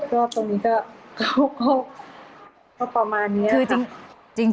ก็ตรงนี้ก็ประมาณนี้